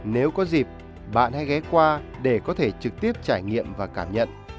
nếu có dịp bạn hãy ghé qua để có thể trực tiếp trải nghiệm và cảm nhận